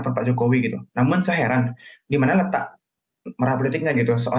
pernyataan hasim betul gak itu